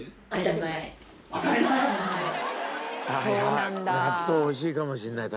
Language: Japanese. そうなんだ。